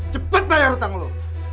cepet bayar hutang lu